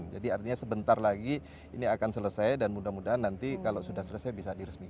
jadi artinya sebentar lagi ini akan selesai dan mudah mudahan nanti kalau sudah selesai bisa diresmikan